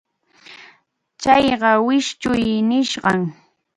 Chayqa wischʼuy nisqam.